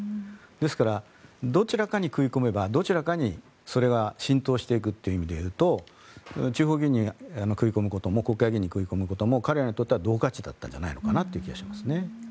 ですから、どちらかに食い込めばどちらかにそれが浸透していくという意味で言うと地方議員に食い込むことも国会議員に食い込むことも彼らにとっては同価値だったんじゃないかなという気はしますね。